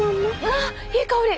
わあいい香り！